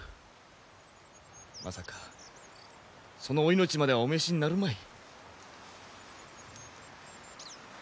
まさかそのお命まではお召しになるまい。